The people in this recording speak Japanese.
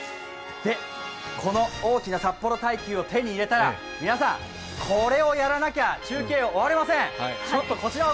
この大きな札幌大球を手に入れたら皆さん、これをやらなきゃ中継は終われません。